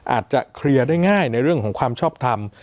อาจจะเคลียร์ได้ง่ายในเรื่องของความชอบทำ